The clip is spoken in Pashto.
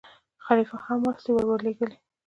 خلیفه هم مرستې ورولېږلې.